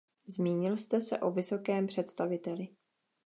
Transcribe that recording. Zmínil jste se o vysokém představiteli.